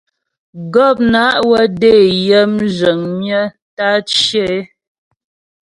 Gɔpna' wə́ dé yə mzhəŋ myə tə́ á cyə é.